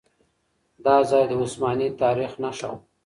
دا ځای د عثماني تاريخ نښه وه.